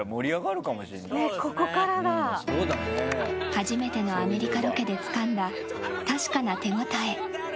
初めてのアメリカロケでつかんだ確かな手ごたえ。